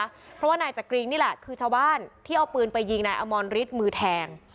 เพราะว่านายจักริงนี่แหละคือชาวบ้านที่เอาปืนไปยิงนายอมรฤทธิ์มือแทง